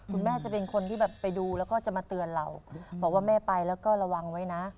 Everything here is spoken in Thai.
คุณแม่จะเป็นคนที่แบบไปดูแล้วก็จะมาเตือนเราบอกว่าแม่ไปแล้วก็ระวังไว้นะ